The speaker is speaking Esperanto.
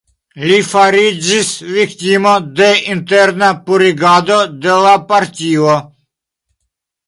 Li fariĝis viktimo de interna 'purigado' de la partio.